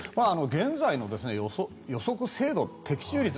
現在の予測精度、的中率。